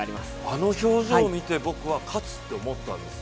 あの表情を見て、僕は勝つと思ったんです。